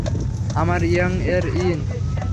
আমার ইয়াং-এর ইয়িন!